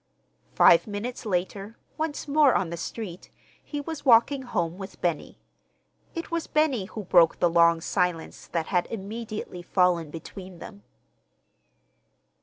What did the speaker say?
Five minutes later, once more on the street, he was walking home with Benny. It was Benny who broke the long silence that had immediately fallen between them.